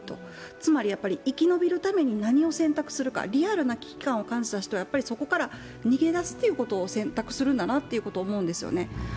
つまり、生き延びるために何を選択するか、リアルな危機感を感じた人はやっぱりそこから逃げ出すっていうことを選択するんだなって思うんですよね。